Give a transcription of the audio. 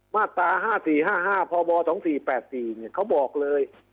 มาตรา๕๔๕๕พบ๒๔๘๔เขาบอกเลย